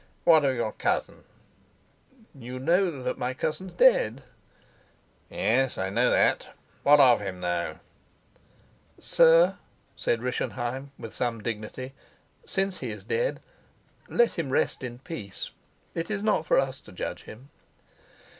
What of your cousin?" "You know that my cousin's dead." "Yes, I know that. What of him, though?" "Sir," said Rischenheim with some dignity, "since he is dead, let him rest in peace. It is not for us to judge him."